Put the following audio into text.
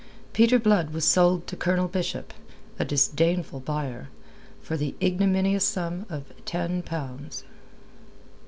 Peter Blood was sold to Colonel Bishop a disdainful buyer for the ignominious sum of ten pounds.